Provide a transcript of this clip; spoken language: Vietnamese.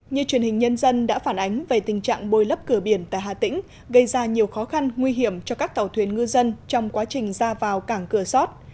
như truyền hình nhân dân đã phản ánh về tình trạng bôi lấp cửa biển tại hà tĩnh gây ra nhiều khó khăn nguy hiểm cho các tàu thuyền ngư dân trong quá trình ra vào cảng cửa sót